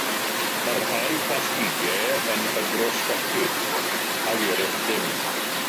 Mae rhai plastigau yn hygrosgopig, ac eraill ddim.